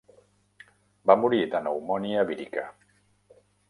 Va morir de pneumònia vírica.